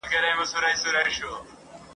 خو دکرهنیزي ټولني